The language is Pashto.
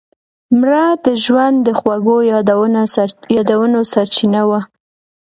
مړه د ژوند د خوږو یادونو سرچینه وه